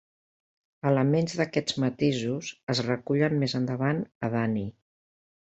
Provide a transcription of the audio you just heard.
Elements d'aquests matisos es recullen més endavant a Danny!